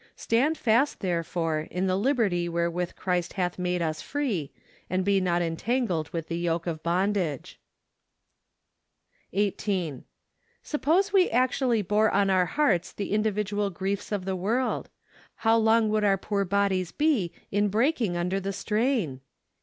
" Stand fast , therefore, in the liberty wherewith Christ hath made us free , and be not entangled with the yoke of bondage ." 18. Suppose we actually bore on our hearts the individual griefs of the world ? How long would our poor bodies be in breaking under the strain